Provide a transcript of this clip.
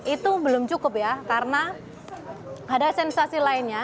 itu belum cukup ya karena ada sensasi lainnya